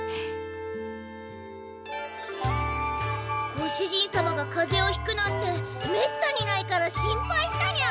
ご主人様がかぜをひくなんてめったにないから心配したにゃ。